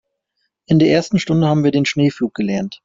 In der ersten Stunde haben wir den Schneepflug gelernt.